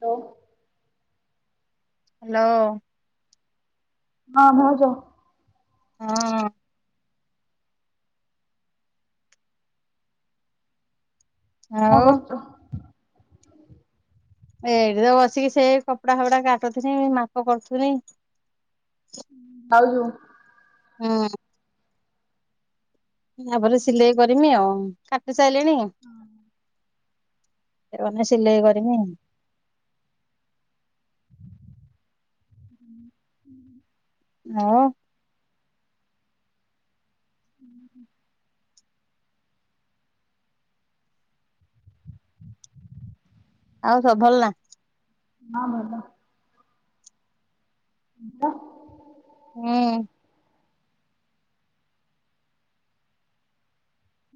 Hello. Hello. ହଁ ଭାଉଜ। ହଁ। କଣ ଆଉ କରୁଚୁ। ଏଇଠି ତ ବସିକି ସେ କପଡା ଫପଡା କାଟୁଥିନି ମାପ କରୁଥୁନି। ଖାଉଚୁ। ହୁଁ। ତାପରେ ସିଲେଇ କରିମି ଆଉ କାଟି ସାରିଲିଣି। ଏରା ଏଇନା ସିଲେଇ କରିମି। ହୁଁ ହୁଁ। ମୁଁ। ଉଁ ହୁଁ। ଆଉ ସବୁ ଭଲ ନା? ହଁ ଭଲ। ହଁ ପା। ହୁଁ।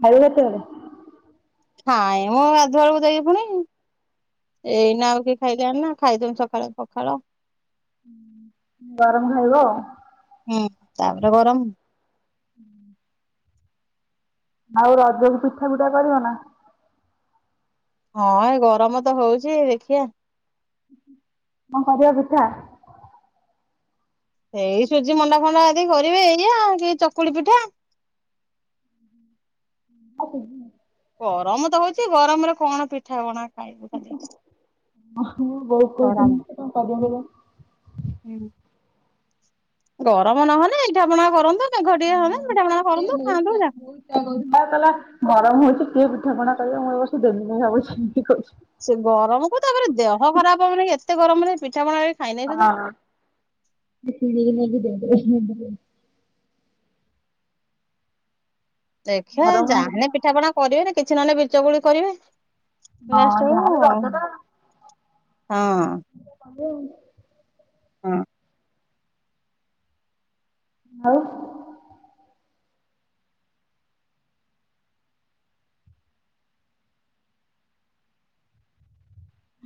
ଖାଇବ କେତେବେଳେ। ଖାଏ ମୁଁ ଗାଧୁଆଳକୁ ଯାଇକି ଫୁଣି। ଏଇନା ଆଉ କିଏ ଖାଇଲାଣି ନା ଖାଇଥିନୁ ସକାଳେ ପଖାଳ। ଗରମ ଖାଇବ। ହୁଁ ତାପରେ ଗରମ। ହୁଁ। ଆଉ ରଜକୁ ପିଠା-ପିଠା କରିବ ନା? ହଁ ଏ ଗରମ୍ ତ ହଉଚି ଦେଖିଆ। କଣ କରିବ ପିଠା। ଏଇ ସୁଜି ମଣ୍ଡା ଫଣ୍ଡା ଆଦି କରିବି ଏଇଆ କି ଚକୁଳି ପିଠା। [inaudible] ଗରମ୍ ତ ହଉଚି ଗରମ୍ ରେ କଣ ପିଠା ପଣା। ଖାଇବୁ ଖାଲି ଓହୋ ବହୁତ୍ କହିଦେଲି ଗରମ ତ କଣ କରିବି ଏଇନା? [unintelligible] ଗରମ୍ ନହେନେ ପିଠାପଣା କରନ୍ତୁ ମେଘ ଟିକେ ହୁଅନ୍ତା ପିଠାପଣା କରନ୍ତୁ ଖାଆନ୍ତୁ [unintelligible] ଏଇଆ କହୁଥିଲା କଲା ଗରମ୍ ହଉଚି କିଏ ପିଠାପଣା କରିବ ମୁଁ ଏ ବର୍ଷ ଦେବିନି ଭାବୁଛି ଏମିତି କହୁଛି। ସେ ଗରମକୁ ତାପରେ ଦେହ ଖରାପ ହବନିକି ଏତେ ଗରମରେ ପିଠା ପଣା ହଁ-ହଁ [unintelligible] କୁ ନେଇକି ଦେଇ ଦେବେ [unintelligible] ଦେଖିଆ ଗରମ ଯାହାନେ ହଁ ପିଠାପଣା କରିବେନି କିଛି ନହେଲେ ବିରି ଚକୁଳି କରିବେ। ଲାଷ୍ଟ ହବୁ ଯାହାହେଲେ ହଁ। ରଜଟା [unintelligible] ହଁ। ଆଉ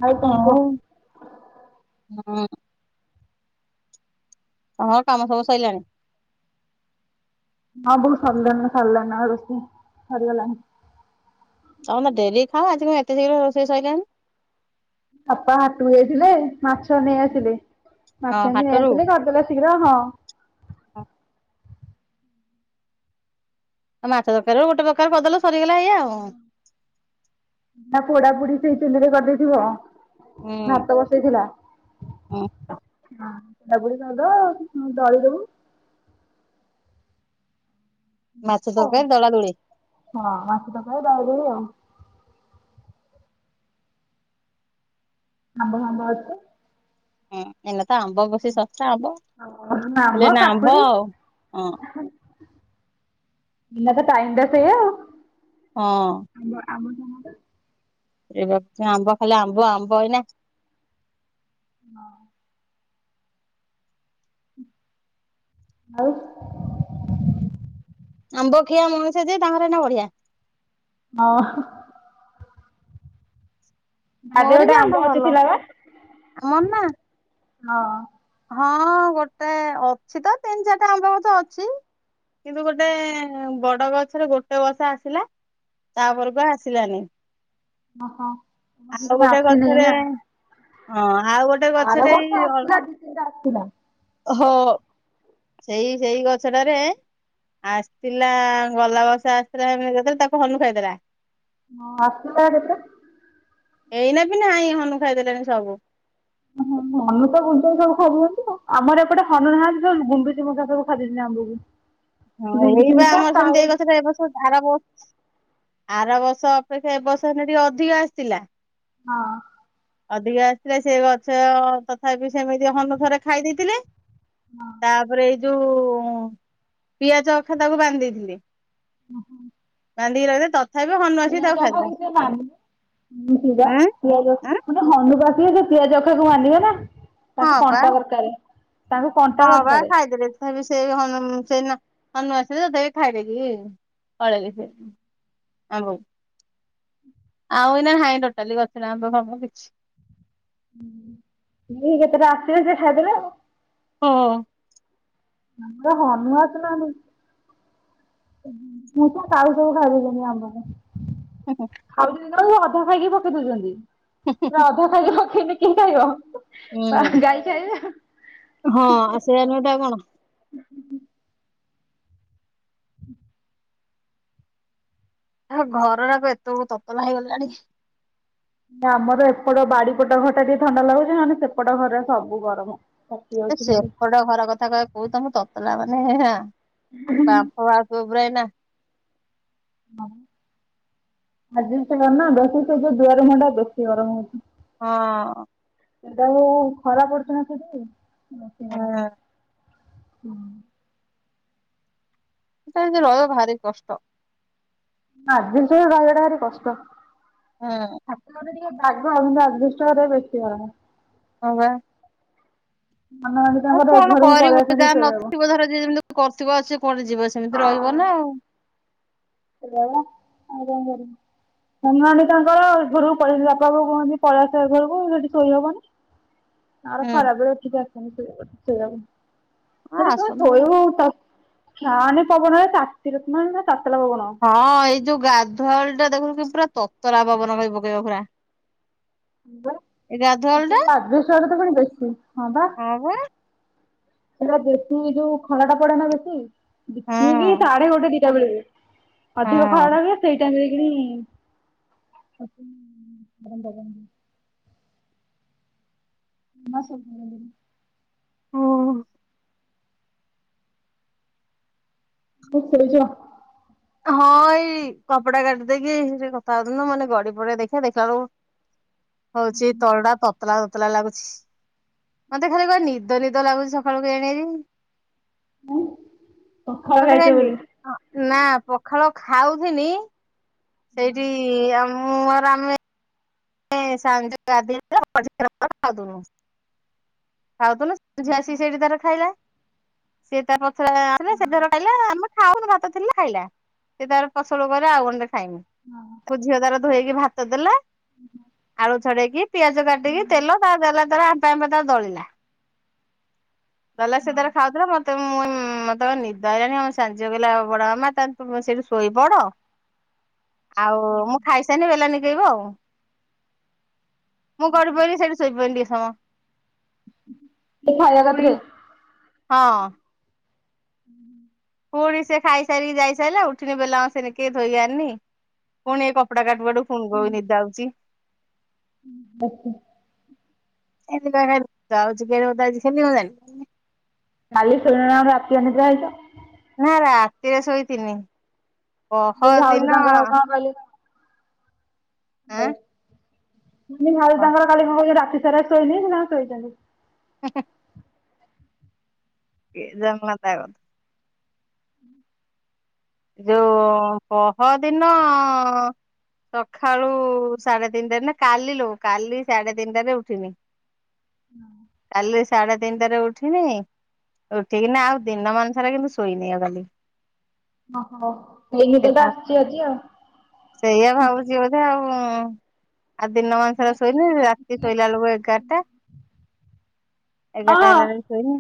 ଆଉ କଣ କୁହ? ହଉ ହଁ। ହଁ କାମ ସବୁ ସଇଲାଣି। ହଁ ବୋଉ ସରଲାଣି-ସରଲାଣି ନା ରୋଷେଇ ସରିଗଲାଣି। ତମେ ଡେରିରେ ଖାଅ ଆଜି କଣ ଏତେ ଶୀଘ୍ର ରୋଷେଇ ସାଇଲାଣି? ବାପା ହାଟକୁ ଯାଇଥିଲେ ମାଛ ନେଇ ଆସିଲେ ହଁ ମାଛ ନେଇ ଆସିଲେ କରିଦେଲେ। ଶୀଘ୍ର ହଁ। ହଁ। ମାଛ ତରକାରି [unintelligible] ଗୋଟେ ପ୍ରକାର କରିଦେଲ ସରିଗଲା ଏଇଆ। ଆଉ ତା ପୋଡା ପୋଡି ସେଇ ଚୁଲିରେ କରିଦେଇଥିବ ହୁଁ ଭାତ ବସେଇଥିଲା। ହୁଁ। ଜାବୁଡ଼ି ଧରିଦେବ ତୁ ଦଳି ଦବୁ। ମାଛ ତରକାରୀ ଦଳା ଦୁଳି। ହଁ ମାଛ ତରକାରି ଦଳାଦୁଳି ଆଉ। ଆମ୍ବ ଫାମ୍ବ ଅଛି। ହୁଁ ଏଇନା ତ ଆମ୍ବ ବେଶୀ ଶସ୍ତା ଆମ୍ବ ହେଲେ ନା ଆମ୍ବ ହଁ। ଏଇନା ତ ଟାଇମ୍ ଟା ତ ସେଇଆ। ହଁ। [unintelligible] ଆମେ ସମତେ। ଏ ଗଛ ଆମ୍ବ ଖାଲି ଆମ୍ବ-ଆମ୍ବ ଏଇନା ହଁ। ଆଉ ଆମ୍ବ ଖିଆ ମଣିଷ ଯେ ତାହାର ଏଇନା ବଢିଆ। ଅ ହଁ। ବାରିରେ ମୋର ବି ଗୋଟେ ଆମ୍ବ ଅଛ ଭଲ ଥିଲା ବା? ଆମର ନା ହଁ। ହଁ ଗୋଟେ ଅଛି ତ ତିନ୍ ଚାରିଟା ଆମ୍ବ ଗଛ ଅଛି। କିନ୍ତୁ ଗୋଟେ ବଡ଼ ଗଛରେ ଗୋଟେ ବର୍ଷ ଆସିଲା, ତା ପରକୁ ଆସିଲାନି। ଅହ। ଆସ ଗୋଟେ ଗଛରେ ଅଁ ଆଉ ଆର ବର୍ଷ ଆସିଥିଲା, ଦି ତିନ୍ ଟା ଆସିଥିଲା। ହ ସେଇ ସେଇ ଗଛଟାରେ ଆସଥିଲା ଗଲା ବଷ ଆସିଥିଲା [unintelligible] ତାକୁ ହନୁ ଖାଇେଥିଲା ହଁ ଆସଥିଲା କେତେ? ଏଇନା ବି ନାହିଁ ହନୁ ଖାଇଦେଲେଣି ସବୁ। ହଁ ହନୁ ତ ଘଚେଇ ସବୁ ଖାଇ ଦଉଛନ୍ତି। ଆମର ଏପଟେ ହନୁ ନାହାନ୍ତି ଖାଲି ଗୁଣ୍ଡୁଚିମୂଷା ସବୁ ଖାଦେଇଛନ୍ତି ଆମ୍ବକୁ। ହଁ ଏଇ ଗୁଣ୍ଡୁଚି ପା ମୂଷା ଆମର କାଉ ସେମିତି ଏଇ ଗଛଟା ଏବସ୍ଥା ସୁଦ୍ ଆରା ବର୍ଷ୍ ଆର ବର୍ଷ ଅପେକ୍ଷା ଏ ବର୍ଷ ହି ଟିକେ ଅଧିକ ଆସିଥିଲା। ହଁ। ଅଧିକା ଆସିଥିଲେ ସେ ଗଛ ତଥାପି ସେମିତି ହନୁ ଥ ରେ ଖାଇ ଦେଇଥିଲେ ତାପରେ ଏଇ ଯୋଉ ପିଆଜ ଅଖା ତାକୁ ବାନ୍ଧି ଦେଇଥିଲି। ଓହଁ। ବାନ୍ଧିକି ରଖ୍ ଦେଲି ତ। ପିଆଜ ବଢ଼ି ଛି ନାନ୍ [unintelligible] ଉଁ ପିଆଜ ଉଁ ସେ ହନୁକୁ ଆସିଲେ ସେ ପିଆଜ ଅଖାକୁ ମାନିବେ ନା ତାକୁ ହଁ ପା କଣ୍ଟା ଦରକାରେ। ତାଙ୍କୁ ହଁ କଣ୍ଟା ବା ଦରକାରେ ଖାଇଦେଲେ। ତଥାପି ସେ ହନୁ ସେଦିନ ହନୁ ଆସିଥିଲେ ଖାଇ ଦେଇକି ପଳେଇଲେ ସିଏ। ଆମ୍ବକୁ। ଆଉ ଏଇନା ହାଇଁ ଟୋଟାଲି ଗଛରେ ଆମ୍ବ ଫାମ୍ବ କିଛି। ଯିଏ ଯେତଟା ଆସିଥିବେ ସିଏ ଖାଇଦେବେ ଆଉ। ହଁ। ଆମର ହନୁ ଆସିଲାଣି। ମୂଷା କାଉ ସବୁ ଖାଇ ଦଉଛନ୍ତି ଆମ୍ବକୁ। ଓହୋ। ଖାଉଛନ୍ତି ତାକୁ ଅଧା ଖାଇକି ପକେଇ ଦଉଛନ୍ତି। ପୁରା ଅଧା ଖାଇକି ପକେଇଲେ କି ଖାଇବ? ଆହା ହୁଁ। ଗାଈ ହଁ ଆଉ ଖାଇବ। ସେଇଆ ନୁହେଁ ତ ଆଉ କଣ? ଉ [inaudible] ଆ ଘରଟାକୁ ଏତେ ବେଳୁ ତତଲା ହେଇଗଲାଣି। ଆମର ଏପଟ ବାଡ଼ିପଟ ଘରଟା ଟିକେ ଥଣ୍ଡା ଲାଗୁଛି, ନଲେ ସେପଟ ଘରରେ ସବୁ ଗରମ। ତାତି ଏ ଯାଉଛି ଖାଲି ସେପଟ ଘର କଥା କାଇଁ କହୁଛ? ତମ ତତଲା ମାନେ ଆଁହାଁ। ହୁଁମ୍। [unintelligible] ପୁରା ଏଇନା ହଁ ଆଜବେଷ୍ଟ୍ ଘରନା, ବେଶି ସେ ଯୋଉ ଦୁଆର ମୁହଁ ଟା ବେଶୀ ଗରମ ହଉଛି। ହଁ। ସେଟାକୁ ଖରାପ ପଡ଼ୁଛି ନା ସେଠି ବେଶି ଗରମ। ହୁଁ ହଁ। ସେଟା କେମିତି ରହିବ ଭାରି କଷ୍ଟ? ଆଜବେଷ୍ଟ ଘରେ ରହିବାଟା ଭାରି କଷ୍ଟ। ହଁ। ଛାତ ଘରେ ଟିକେ ବାଗ, କିନ୍ତୁ ଆଜବେଷ୍ଟ ଘରେ ବେଶୀ ଗରମ। ହଁ ବା। ଅନ୍ୟମାନେ ଆଉ କଣ କରିବୁ? ଯାହାର ନଥିବ ଧର ଯିଏ ଯେମିତି କରିଥିବ ଆଉ ସିଏ କୁଆଡ଼େ ଯିବ? ସେମିତି ରହିବ ନା ଆଉ ସେଇଆ, ଆଉ କଁ କରିବୁ? ମଡି ତାଙ୍କର ହେ ଘରକୁ ପଳେଇଲେ ବାପା ବୋଉ କୁହନ୍ତି ପଳେଇଆସ ଏ ଘରକୁ ସେଠି ଶୋଇହବନି ଆ ହୁଁ ଖରାପ ରେ ଅଛିିକି ଆସନି ଶୋଇଆକୁ ହଁ ସେଠ କଣ ଆସନ୍ତୁ। ଶୋଇବୁ ଆ [unintelligible] ଫ୍ୟାନ ପବନ ରେ ତାତିରେ ମାନେ ତାତିଲା ପବନ। ହଁ ଏଇ ଯୋଉ ଗାଧୁଆଓଳି ଟା ଦେଖୁୁନୁ କି ପୁରା ତତଲା ପବନ କରି ପକେଇବ ପୁରା। ହଁବା ଏଇ ଗାଧୁଆଳ ସେ ଟା ଆଜିବେଷ୍ଟରେ ଘର ପୁଣି ବେଶୀ ହଁ ବା। ହପା। ସେଟା ବେଶୀ ଯୋଉ ଖରା ଟା ପଡେ ନା ବେଶୀ ବିଛେହେଇକି ହଁ ସାଢେ ଗୋଟେ ଦିଟା ବେଳକୁ ଅଧିକ ଖରା ହଁ। ହୁଏ ସେଇ ଟାଇମ୍ ରେ କିଣି ନ ଶିନି [unintelligible] ହଁ? କଣ ଶୋଇଚ? ହଁ ଏଇ କପଡା କାଟିଦେଇକି ସେ କଥା ହଉଥିଲି ତମାନେ ଗଡି ପଡି ଦେଖିବା ଦେଖିଲା ବେଳକୁ ହଉଚି ତଳଟା ତତଲା ତତଲା ଲାଗୁଚି। ମତେ ଖାଲି କ ନିଦ ନିଦ ଲାଗୁଚି ସକାଳୁ କେଆଣି ଆଜି। ପଖାଳ ମତେ ଖାଇଚ ନି ବୋଲି ଅ ନା ପଖାଳ ଖାଉଥିଲି ସେଇଠି ମୁଁ ଆ ଆମେ ସା ଖାଉୁ ଖାଉନୁ ଖାଉଥୁନୁ [unintelligible] ଝିଅ ଆସିକି ସେଇଠି ତାର ଖାଇଲା ସିଏ ତାର ପଛରେ ଆସିଲ ସୋର [unintelligible] ଖାଇଲା ଆମ ଖାଉନ ଭାତ ଥିଲା ଖାଇଲା ସେ ତାର ଫସଲ ଉପରେ ଆଉ ଗଣ୍ଡେ ଖାଇମ। ହଁ। ତାକୁ ଝିଅ ତାର ଧୋଇହେଇକି ଭାତ ଦେଲା ହୁଁ। ଆଳୁ ଛଡେଇକି ପିଆଜ କାଟିକି ତେଲ ତା ଦେଲା ଦେଲା ତା ଦଳିଲା ଦଳା ସେ ତାର ଖାଉଥିଲା ମତେ ମୁଇ ମତେ ନିଦ ହେଇଲାଣି ଆମ ସାନ ଝିଅ କହିଲା ବଡ ମାମା ତାହାଲେ ତୁ ସେଇଠୁ ଶୋଇପଡ ଆଉ ମୁଁ ଖାଇସାଇଲେ ବେଲା ନିକେଇବ ଆଉ। ମୁଁ ଗଡିପଇଲି ସେଇଠି ଶୋଇପଡିଲି କିଛି ସମୟ ଏ ଖାଇବା ହ ବି କତିରେ ହଁ। ହୁଁ। ପୁଣି ସେ ଖାଇସାରିକି ଯାଇସାରିଲା ଉଠିଲି ବେଲା ସେନ କେ ଧୋଇ ଆରିନି ପୁଣି କ କପଡା କାଟୁ କାଟୁ ଫୁନ୍ କୋ ନିଦ ଆଉଚି। ଦେଖେ ସେ ଆଉ ଆ ଖେଲି [unintelligible] କାଲି ସୋଇନ ନା କଣ ରାତି ଅନିଦ୍ରା ହେଇଚ। ନା ରାତିରେ ଶୋଇଥିନି ପହର ଦିନ ଭ [unintelligible] ଆଁ ହଉ ମୁ ଭାଉଜ କ ଆମର କାଲି କଣ କ ରାତି ସାରା ଶୋଇନି ନା ଶୋଇଚନ୍ତି। ହ [unintelligible] ଜଙ୍ଗଲ ତ ଆ [unintelligible] ଯୋଉ ପହଦିନ ସକାଳୁ ସାଢେ ତିନିଟାରେ ନା କାଲି ଲୋ କାଲି ସାଢେ ତିନିଟାରେ ଉଠିନି କାଲି ସାଢେ ତିନିଟାରେ ଉଠିନି ଉଠିକି ନା ଆଉ ଦିନମାନ ସାରା କିନ୍ତୁ ଶୋଇନି ଆଉ କାଲି। ଅ ହ ସେଇ ନିଦ ଟା ଆସିଚି ଆଜି ଆଉ। ସେଇଆ ଭାବୁଚି ବୋଧେ ଆଉଁ। ଆଉ ଦିନମାନସାରା ଶୋଇନି ରାତି ଶୋଇଲା ବେଳକୁ ଏଗାରଟା ହଁ ଏଗାଟା ହେଲେ ଶୋଇମି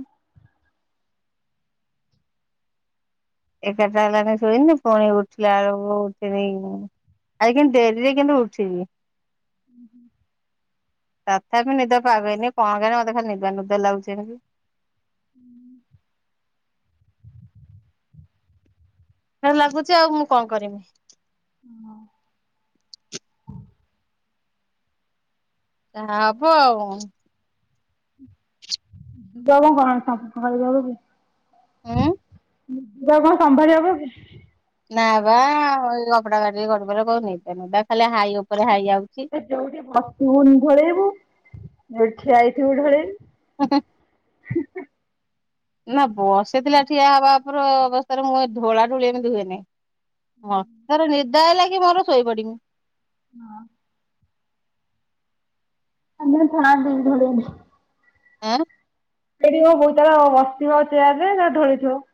ଏକାଟା ହେଲାନେ ଶୋଇମି ପୁଣି ଉଠିଲା ଅଳୁକୁ ଉ ଆଜି କେନ୍ତି ଡେରିରେ କେନ୍ତୁ ଉଠିଲି ହୁଁ ହୁଁ। ତଥାପି ନିଦ ପାଇବେନି କଣ କେଜାଣି ମତେ ଖାଲି ନିଦୁଆ ନିଦୁଆ ଲାଗୁଛି ଖାଲି ହୁଁ। ସେମିତ୍ ଲାଗୁଛି ଆଉ ମୁଁ କଣ କରିମି? ହୁ। ଯାହା ହବ ଆଉ [unintelligible] ଉଁ ନିଦ କୁ ଆଉ କଣ ସମ୍ଭାଳି ହବ କି? ନା ବା ଏଇ କପଡା କାଟିକି ଗଢ଼ିପଇଲେ କହୁନି ତା ଖାଲି ହାଇ ଉପରେ ହାଇ ଆଉଚି ଯୋଉଠି ଭସିବୁନି ଢୋଳେଇବୁ ଯୋଉଠି ଠିଆଇଥିବୁ ଢୋଳେଇବୁ- ହେ ହେ। ନା ବସି ଥିଲେ ଠିଆହବା ଅବସ୍ଥାରେ ମୁଁ ଢୋଳା ଢୋଳି ଏମିତି ହୁଏନି ହଁ ତର ନି ତା ଲାଗି ମୋର ଶୋଇ ପଡିବୁ। ହ। ଆଜ୍ଞା। ଥାଆନ୍ତୁ ଧୋଡେଇ। ଆ। [unintelligible]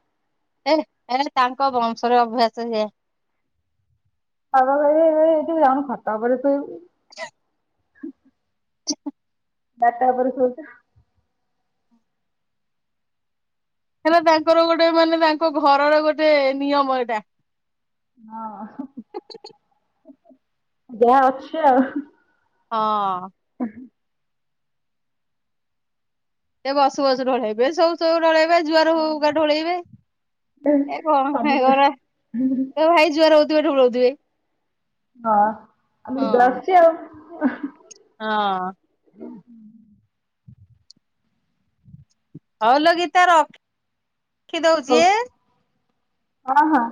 ଏ ଏ ତାଙ୍କ ବଂଶର ଅଭ୍ୟାସ ସେଇଏ ଖବା ଏ ଏଇଠି ଜଣୁ ଖତା ବ ଆଛା [unintelligible] ତାଜା ଉପରେ ଶୋଉଛୁ। କ ତାଙ୍କର ଗୋଟେ ମାନେ ତାଙ୍କ ଘରର ଗୋଟେ ନିୟମ ଏଇଟା ହଁ ଯା ଅକ୍ଷୟ ହଁ। ହ ଏ ବସୁ ବସ ଢୋଳେଇବେ ସବୁ ସବୁ ଢଳେଇବେ ଜୁଆର ହଉା ଢୋଳେଇବେ ଏ କଣ ଭ ସବୁବେଳେ। କର ତ ଭାଇ ଯୁଆ ରହୁଥିବେ ଠୁ ରଉଥିବେ ହଁ ଆ ହଁ ନିଦଆସୁଛି ଆଉ ହଁ। ହଉଲ ଗିତା ର ରଖି ହଉ ଦଉଛି। ହଁ ହଁ।